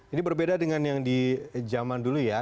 ini berbeda dengan yang di zaman dulu ya